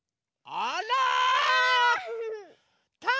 あら？